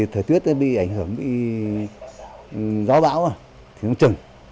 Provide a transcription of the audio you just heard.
thời tiết bị ảnh hưởng bị gió bão thì không chừng